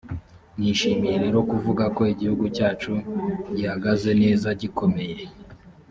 nishimiye rero kuvuga ko igihugu cyacu gihagaze neza gikomeye